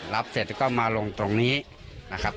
รับเสร็จก็มาลงตรงนี้นะครับ